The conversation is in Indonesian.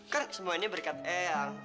kan semua ini berkat eyang